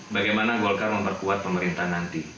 bagaimana golkar memperkuat pemerintah nanti